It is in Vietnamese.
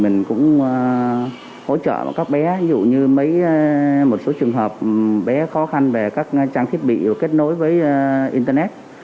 như mấy một số trường hợp bé khó khăn về các trang thiết bị kết nối với internet